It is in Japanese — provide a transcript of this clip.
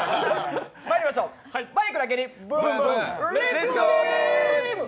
まいりましょう、「バイクだけにブンブンレッツゴーゲーム」。